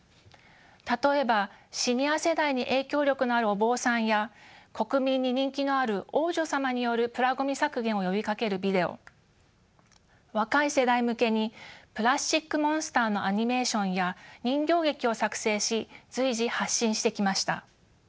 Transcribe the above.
例えばシニア世代に影響力のあるお坊さんや国民に人気のある王女様によるプラごみ削減を呼びかけるビデオ若い世代向けにプラスチックモンスターのアニメーションや人形劇を作成し随時発信してきました。